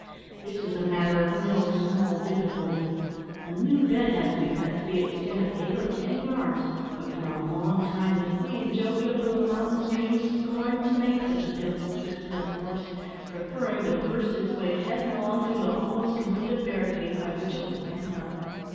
This was a matter of no small difficulty. A new bed had to be cut to the extent of eight or ten yards, but for a long time the free and jovial little mountain stream scorned to make such a pitiful twist in its course, preferring to burst its way headlong through the almost completed barricade, by which it was pent up.